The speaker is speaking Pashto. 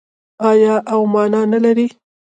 آیا او مانا نلري؟